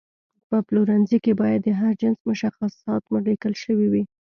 په پلورنځي کې باید د هر جنس مشخصات لیکل شوي وي.